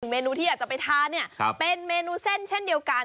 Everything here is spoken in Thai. เมนูที่อยากจะไปทานเนี่ยเป็นเมนูเส้นเช่นเดียวกัน